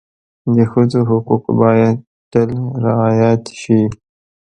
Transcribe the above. د ښځو حقوق باید تل رعایت شي.